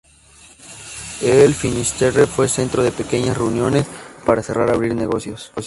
El Finisterre fue centro de pequeñas reuniones para cerrar o abrir negocios.